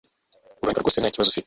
Urahumeka rwosentakibazo ufite